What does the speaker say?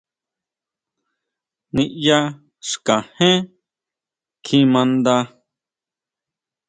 Niyá xkajen kjimaʼnda.